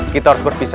kita harus berpisah